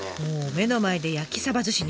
目の前で焼き寿司に。